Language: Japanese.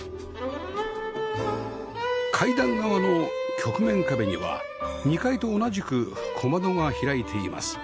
階段側の曲面壁には２階と同じく小窓が開いています